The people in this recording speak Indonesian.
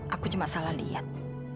aku cuma salah liat